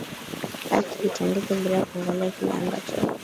haki itendeke bila kuangalia kile ambacho